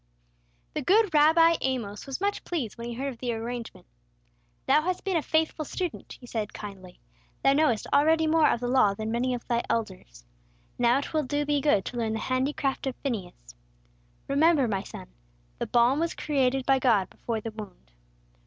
The good Rabbi Amos was much pleased when he heard of the arrangement. "Thou hast been a faithful student," he said, kindly. "Thou knowest already more of the Law than many of thy elders. Now it will do thee good to learn the handicraft of Phineas. Remember, my son, 'the balm was created by God before the wound.'